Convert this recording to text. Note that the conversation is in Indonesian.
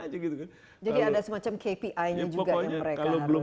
kpi nya juga yang mereka harus yang pokoknya kalau belum